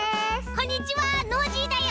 こんにちはノージーだよ。